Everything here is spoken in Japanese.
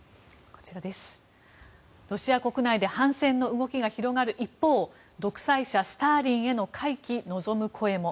こちらです、ロシア国内で反戦の動きが広がる一方独裁者・スターリンへの回帰望む声も。